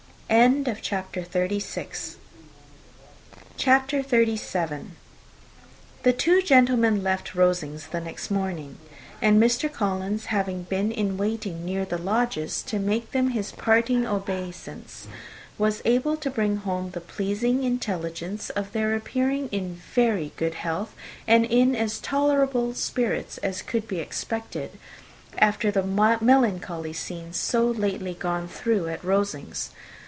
[Illustration: "His parting obeisance" ] CHAPTER XXXVII. The two gentlemen left Rosings the next morning; and Mr. Collins having been in waiting near the lodges, to make them his parting obeisance, was able to bring home the pleasing intelligence of their appearing in very good health, and in as tolerable spirits as could be expected, after the melancholy scene so lately gone through at Rosings.